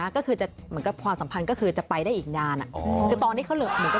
คุณพริกค่ะแม่พริกกินู